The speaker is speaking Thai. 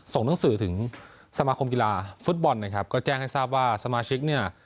หนังสือถึงสมาคมกีฬาฟุตบอลนะครับก็แจ้งให้ทราบว่าสมาชิกเนี่ย